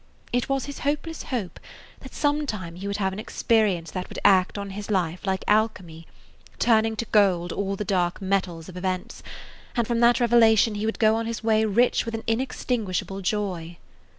It was his hopeless hope that some time he would have an experience that would act on his life like alchemy, turning to gold all the dark metals of events, and from that revelation he would go on his way rich with an inextinguishable joy.